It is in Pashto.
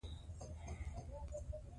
احمدشاه بابا د عدالت لپاره هلې ځلې وکړې.